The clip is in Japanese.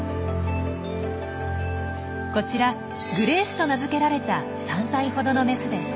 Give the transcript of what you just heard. こちら「グレース」と名付けられた３歳ほどのメスです。